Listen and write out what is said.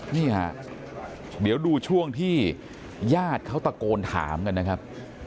นี่ฮะเดี๋ยวดูช่วงที่ญาติเขาตะโกนถามกันนะครับ